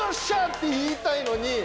って言いたいのに。